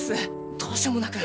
どうしようもなく。